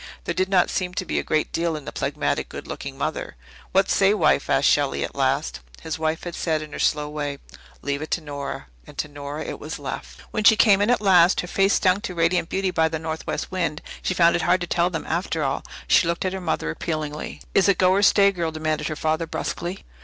There did not seem to be a great deal in the phlegmatic, good looking mother. "What say, wife?" asked Shelley at last. His wife had said in her slow way, "Leave it to Nora," and to Nora it was left. When she came in at last, her face stung to radiant beauty by the northwest wind, she found it hard to tell them after all. She looked at her mother appealingly. "Is it go or stay, girl," demanded her father brusquely.